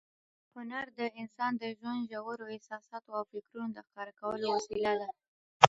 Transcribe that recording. هنر د انسان د ژوند ژورو احساساتو او فکرونو د ښکاره کولو وسیله ده.